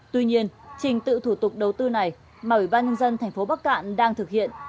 tuy nhiên trình tự thủ tục đầu tư này mà ủy ban nhân dân thành phố bắc cạn đang thực hiện